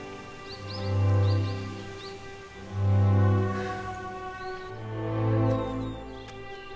はあ。